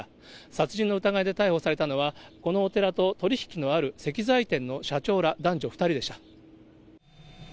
殺人の疑いで逮捕されたのは、このお寺と取り引きのある石材店の社長ら男女２人でした。